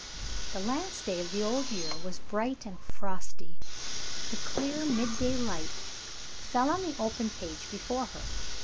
The last day of the old year was bright and frosty; the clear midday light fell on the open page before her.